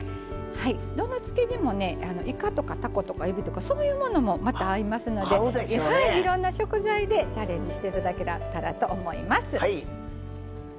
どの漬け地もねいかとかたことかえびとかそういうものもまた合いますのでいろんな食材でチャレンジして頂けたらと思います。